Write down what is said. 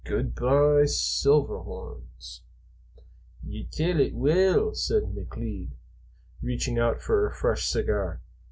Good by, Silverhorns!" "Ye tell it weel," said McLeod, reaching out for a fresh cigar.